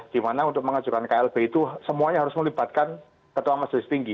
dimana untuk mengajukan klb itu semuanya harus melibatkan ketua majelis tinggi